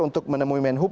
untuk menemui manhub